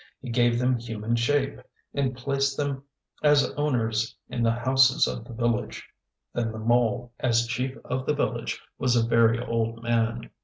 He gave them human shape, and placed them as owners in the houses of the village. Then the mole, as chief of the village, was a very old man.